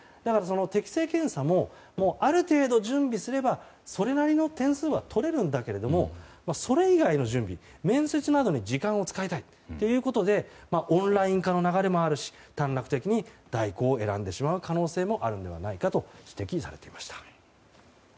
適性検査もある程度、準備すればそれなりの点数は取れるんだけどそれ以外の準備、面接などに時間を使いたいということでオンライン化の流れもあるし短絡的に代行を選んでしまう可能性もあるのではないかと指摘されていました。